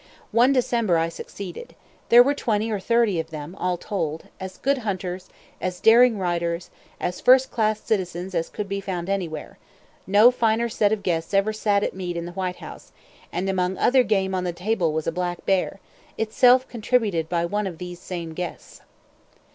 One December I succeeded; there were twenty or thirty of them, all told, as good hunters, as daring riders, as first class citizens as could be found anywhere; no finer set of guests ever sat at meat in the White House; and among other game on the table was a black bear, itself contributed by one of these same guests.